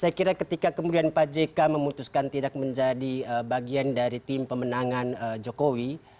saya kira ketika kemudian pak jk memutuskan tidak menjadi bagian dari tim pemenangan jokowi